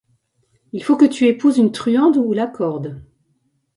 Il faut que tu épouses une truande ou la corde.